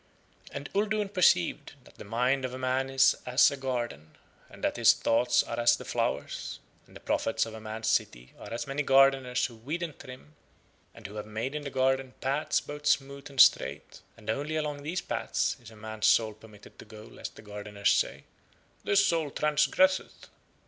And Uldoon perceived that the mind of a man is as a garden, and that his thoughts are as the flowers, and the prophets of a man's city are as many gardeners who weed and trim, and who have made in the garden paths both smooth and straight, and only along these paths is a man's soul permitted to go lest the gardeners say, "This soul transgresseth."